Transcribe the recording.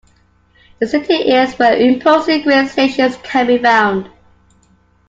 The city is where imposing grain stations can be found.